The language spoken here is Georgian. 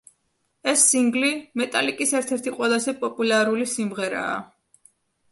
ეს სინგლი მეტალიკის ერთ-ერთი ყველაზე პოპულარული სიმღერაა.